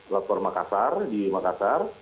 lapor makassar di makassar